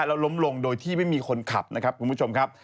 แล้วล้มลงโดยที่ไม่มีคนขับนะครับคุณผู้ชมครับ